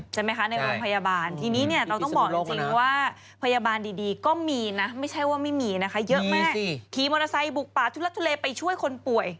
ใช่ไหมคะในวังพยาบาล